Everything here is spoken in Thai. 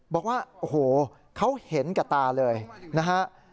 บอกว่าโอ้โหเขาเห็นกับตาเลยนะฮะ